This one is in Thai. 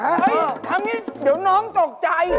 เออทำงี้เดี๋ยวน้องตกใจ